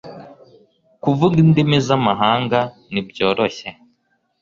Kuvuga indimi z'amahanga ntibyoroshye